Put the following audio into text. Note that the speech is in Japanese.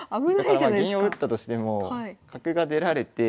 だから銀を打ったとしても角が出られて。